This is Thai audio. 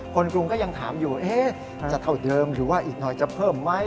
กรุงก็ยังถามอยู่จะเท่าเดิมหรือว่าอีกหน่อยจะเพิ่มไหม